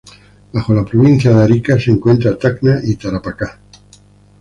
Bajo la Provincia de Arica se encontraban Tacna y Tarapacá.